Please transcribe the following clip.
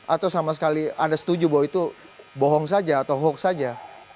atau sama sekali anda setuju bahwa itu bohong saja atau hoax saja